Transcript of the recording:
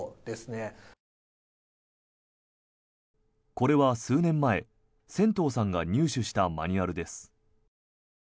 これは数年前、仙頭さんが入手したマニュアルです。